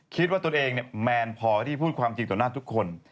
คิดว่าตนเองเนี่ยแมนพอที่พูดความจริงต่อหน้าทุกคน